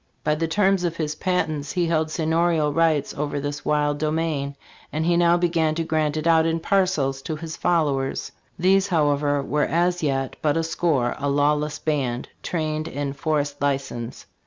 By the terms of his patent he held seignorial rights over this wild domain; and he now began to grant it out in parcels to his followers. These, however, were as yet but a score; a lawless band, trained in forest license."